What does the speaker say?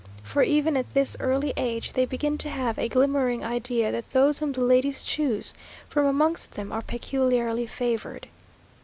for even at this early age they begin to have a glimmering idea that those whom the ladies choose from amongst them are peculiarly favoured.